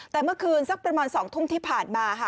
แต่เมื่อคืนสักประมาณ๒ทุ่มที่ผ่านมาค่ะ